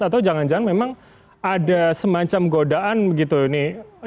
atau jangan jangan memang ada semacam godaan gitu nih